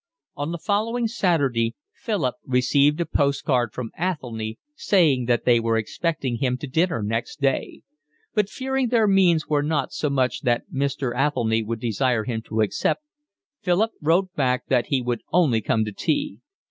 On the following Saturday Philip received a postcard from Athelny saying that they were expecting him to dinner next day; but fearing their means were not such that Mr. Athelny would desire him to accept, Philip wrote back that he would only come to tea.